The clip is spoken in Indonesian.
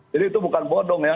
jadi itu bukan bodong ya